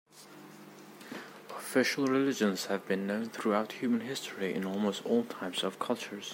Official religions have been known throughout human history in almost all types of cultures.